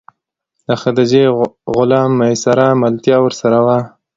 د خدیجې غلام میسره ملتیا ورسره وه.